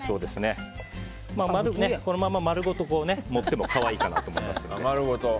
このまま丸ごと盛っても可愛いかなと思います。